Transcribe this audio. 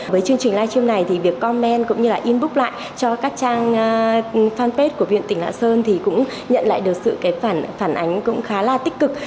với chương trình livestream này thì việc comment cũng như là inbox lại cho các trang fanpage của viện tỉnh lạ sơn thì cũng nhận lại được sự cái phản ánh cũng khá là tích cực